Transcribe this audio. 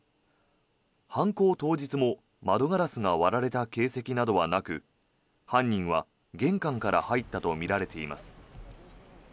犯行当日も窓ガラスなどが割られた形跡はなく犯人は玄関から入ったとみられています。